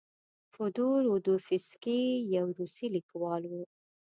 فودور اودویفسکي یو روسي لیکوال و.